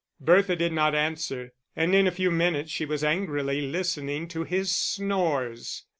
Bertha did not answer, and in a few minutes she was angrily listening to his snores.